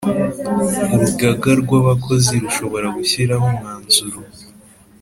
Urugaga rw’ abakozi rushobora gushyiraho umwanzuro